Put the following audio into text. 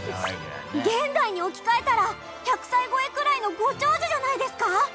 現代に置き換えたら１００歳超えくらいのご長寿じゃないですか！？